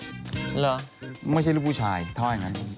เหรอไม่ใช่ลูกผู้ชายเขาเองนั้น